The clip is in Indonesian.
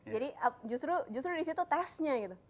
jadi justru disitu testnya gitu